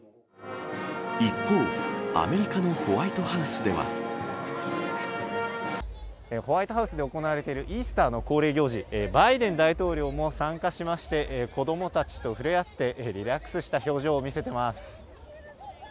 一方、アメリカのホワイトハウスでは。ホワイトハウスで行われているイースターの恒例行事、バイデン大統領も参加しまして、子どもたちと触れ合って、リラックスした表情を見せてます。